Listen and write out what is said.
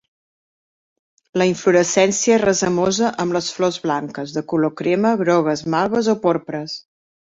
La inflorescència és racemosa amb les flors blanques, de color crema, grogues, malves o porpres.